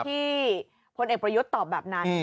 พลเอกประยุทธ์ตอบแบบนั้น